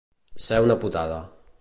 Ser una putada.